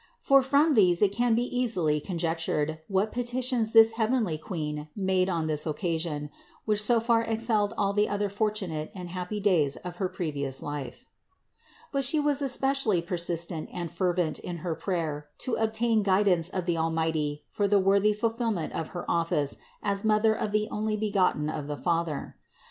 For from these it can easily be conjectured what petitions this heavenly Queen made on this occasion, which so far excelled all the other fortunate and happy days of her previous life. 152. But She was especially persistent and fervent in her prayer to obtain guidance of the Almighty for the worthy fulfillment of her office as Mother of the Onlybegotten of the Father.